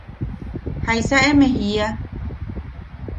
¿Jaisa eme jiia?